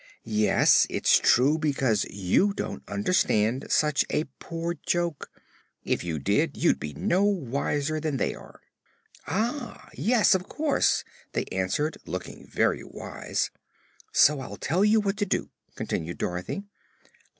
"Yes; it's true because you don't understand such a poor joke; if you did, you'd be no wiser than they are." "Ah, yes; of course," they answered, looking very wise. "So I'll tell you what to do," continued Dorothy.